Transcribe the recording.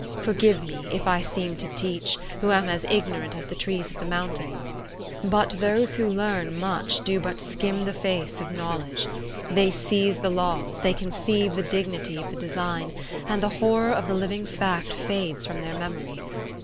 Forgive me, if I seem to teach, who am as ignorant as the trees of the mountain; but those who learn much do but skim the face of knowledge; they seize the laws, they conceive the dignity of the design—the horror of the living fact fades from their memory.